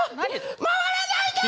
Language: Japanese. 回らないで！